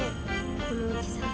このおじさん